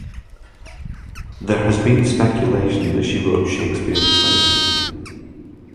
There has been speculation that she wrote Shakespeare's plays.